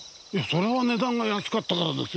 そりゃあ値段が安かったからですよ。